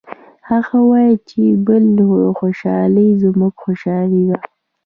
هغه وایي چې د بل خوشحالي زموږ خوشحالي ده